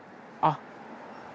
あっ。